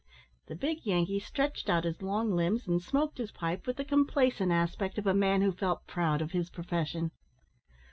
The big Yankee stretched out his long limbs and smoked his pipe with the complacent aspect of a man who felt proud of his profession.